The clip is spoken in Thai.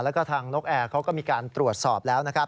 แล้วก็ทางนกแอร์เขาก็มีการตรวจสอบแล้วนะครับ